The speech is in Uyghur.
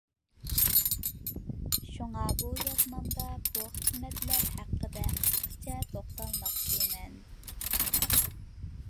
شۇڭا، بۇ يازمامدا بۇ خىزمەتلەر ھەققىدە قىسقىچە توختالماقچىمەن.